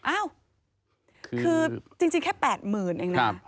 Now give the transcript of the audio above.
อ้าวคือจริงแค่๘๐๐๐เองนะ